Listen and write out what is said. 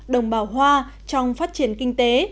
đồng bào hoa trong phát triển kinh tế